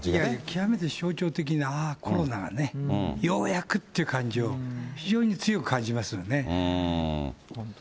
極めて象徴的な、コロナがね、ようやくって感じを非常に強く感じますよね。